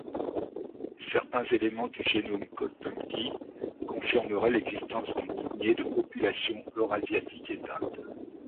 Certains éléments du génome Kostenki confirmeraient l'existence d'une lignée de population eurasiatique éteinte.